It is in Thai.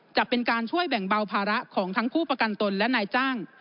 จะเป็นการช่วยแบ่งเบาภาระของทั้งผู้ประกันตนและนายจ้าง